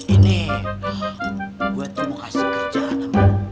ini gue tuh mau kasih kerjaan sama lo